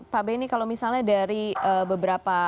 pak benny kalau misalnya dari beberapa